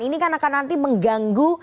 ini kan akan nanti mengganggu